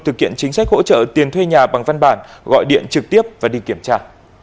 thực hiện chính sách hỗ trợ tiền thuê nhà bằng văn bản gọi điện trực tiếp và đi kiểm tra